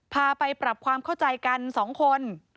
พาไปปรับความเข้าใจกัน๒คน